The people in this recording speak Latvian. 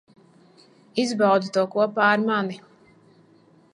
Izbaudi to kopā ar mani.